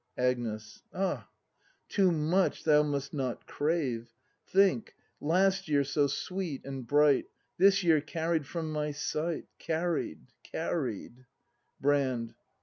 Agnes. Ah! Too much thou must not crave! Think — last year so sweet and bright. This year carried from my sight; Carried — carried Brand.